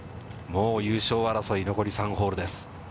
もう優勝争い、残り３ホールです。